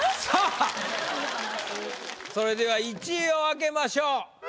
さあそれでは１位を開けましょう。